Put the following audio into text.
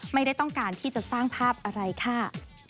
ไม่ได้ต้องการที่จะสร้างภาพอะไรค่ะ